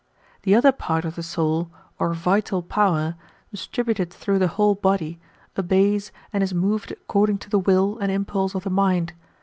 The other part of the soul, or vital power^ distributed through the whole body, obeys, and is moved according to the will and impulse of the mind.